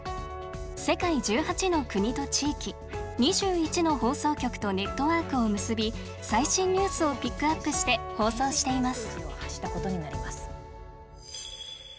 世界１８の国と地域２１の放送局とネットワークを結び最新ニュースをピックアップして放送しています。